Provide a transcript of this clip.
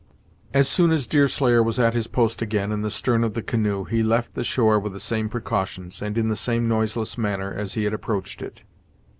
As soon as Deerslayer was at his post again, in the stern of the canoe, he left the shore with the same precautions, and in the same noiseless manner, as he had approached it.